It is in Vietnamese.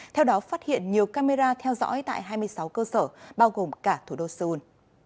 theo đó phát hiện nhiều camera theo dõi tại hai mươi sáu cơ sở bao gồm cả thủ đô seoul